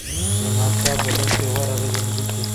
یو ناڅاپه غشی ورغی له مځکي